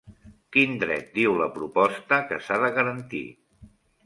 Quin dret diu la proposta que s'ha de garantir?